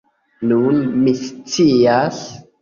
Nun, mi scias.